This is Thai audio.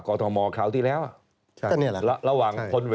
กฎธหมอคราวที่แล้วอ่ะระหว่างก็นี่แหละ